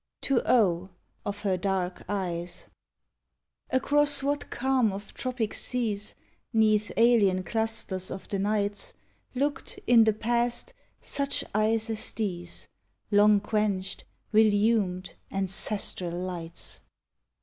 TO O—, OF HER DARK EYES Across what calm of tropic seas, 'Neath alien clusters of the nights, Looked, in the past, such eyes as these? Long quenched, relumed, ancestral lights!